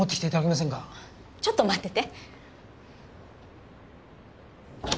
ちょっと待ってて。